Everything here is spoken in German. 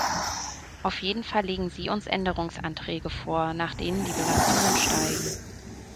Auf jeden Fall legen Sie uns Änderungsanträge vor, nach denen die Belastungen steigen.